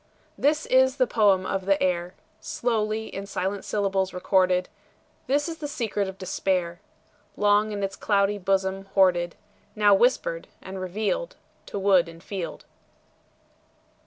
This is the poem of the air, Slowly in silent syllables recorded; This is the secret of despair, Long in its cloudy bosom hoarded, Now whispered and revealed To wood and field.